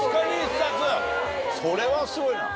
それはすごいな。